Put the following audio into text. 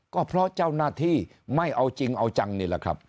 ก็เพราะเจ้าหน้าที่ไม่เอาจริงเอาจังนี่แหละครับ